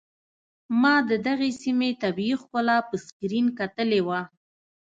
ما د دغې سيمې طبيعي ښکلا په سکرين کتلې وه.